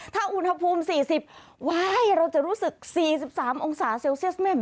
ถ้าอุณหภูมิ๔๐ว้ายเราจะรู้สึก๔๓องศาเซลเซียสเม่น